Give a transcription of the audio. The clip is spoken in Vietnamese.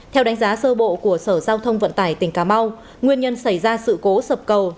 theo đánh giá sơ bộ của sở giao thông vận tải tỉnh cà mau nguyên nhân xảy ra sự cố sập cầu